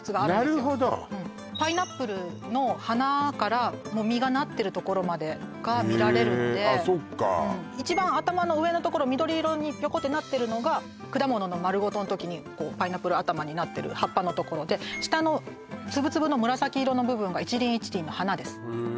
なるほどパイナップルの花から実がなってるところまでが見られるので一番頭の上のところ緑色にピョコってなってるのが果物の丸ごとの時にパイナップル頭になってる葉っぱのところで下の粒々の紫色の部分が一輪一輪の花です